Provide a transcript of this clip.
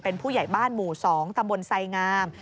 เป็นผู้ใหญ่บ้านหมู่๒ตำบลไสงาม